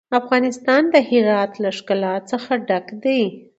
افغانستان د هرات له ښکلا څخه ډک دی.